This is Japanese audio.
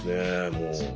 もう。